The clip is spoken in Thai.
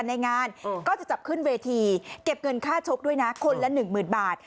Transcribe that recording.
ในงานก็จะจับขึ้นเวทีเก็บเงินค่าชกด้วยนะคนละหนึ่งหมื่นบาท